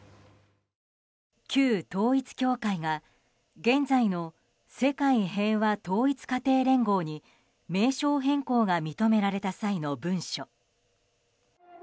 旧統一教会が現在の世界平和統一家庭連合に名称変更が認められた際の文書。